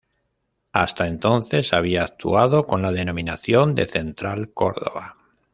Hasta entonces había actuado con la denominación de Central Córdoba.